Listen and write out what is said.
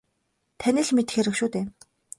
Таны л мэдэх хэрэг шүү дээ.